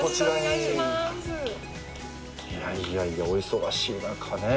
いやいやいやお忙しい中ね